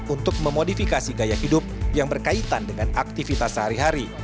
untuk memodifikasi gaya hidup yang berkaitan dengan aktivitas sehari hari